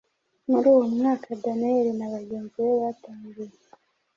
Muri uwo mwaka Daniyeli na bagenzi be batangiye